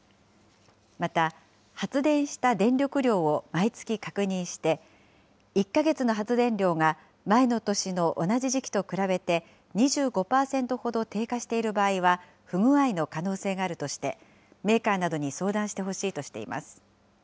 また、発電した電力量を毎月確認して、１か月の発電量が前の年の同じ時期と比べて２５％ほど低下している場合は不具合の可能性があるとして、メーカーなどに相談してほしいとしています。